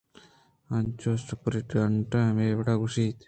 انچوسپرنٹنڈنٹءَہمے وڑ گوٛشت